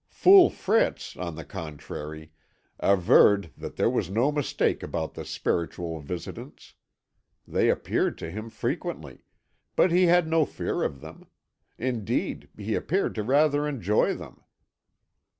Fool Fritz, on the contrary, averred that there was no mistake about the spiritual visitants; they appeared to him frequently, but he had no fear of them; indeed, he appeared to rather enjoy them.